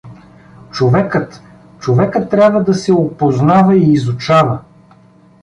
Човекът, човекът трябва да се опознава и изучава.